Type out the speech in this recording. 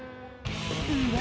うわ